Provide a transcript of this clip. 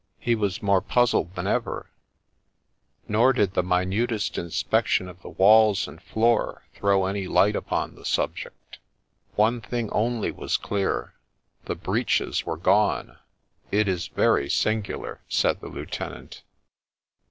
He was more puzzled than ever ; nor did the minutest inspection of the walls and floor throw any light upon the subject : one thing only was clear, — the breeches were gone 1 ' It is very singular,' said the lieutenant.